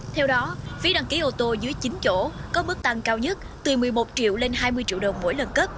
theo đó phí đăng ký ô tô dưới chín chỗ có mức tăng cao nhất từ một mươi một triệu lên hai mươi triệu đồng mỗi lần cấp